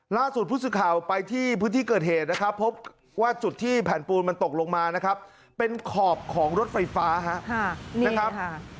ล่าสุดผู้สื่อข่าวไปที่พื้นที่เกิดเหตุนะครับพบว่าจุดที่แผ่นปูนมันตกลงมานะครับเป็นขอบของรถไฟฟ้าครับนะครับ